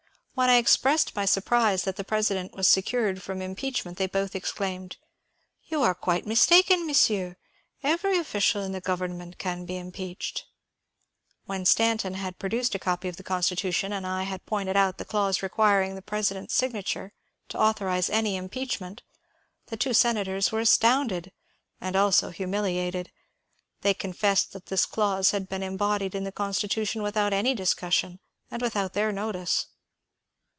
When I expressed my surprise that the President was secured from impeach ment they both exclaimed, Yon are qnite mistaken, mon sieur: every official in the government can be impeached/' When Stanton had produced a copy of the Constitntion and I had pointed out the clause requiring the President's signa ture to authorize any impeachment, the two senators were as tounded and also humiliated. They confessed that this clause had been embodied in the Constitution without any discus sion and without their notice.